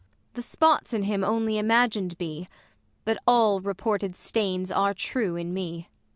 Ang. The spots in him only imagin'd be ; But all reported stains are true in me.